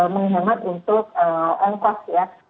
menghemat untuk on cost ya